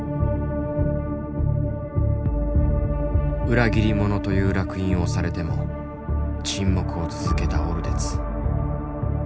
裏切り者という烙印を押されても沈黙を続けたオルデツ。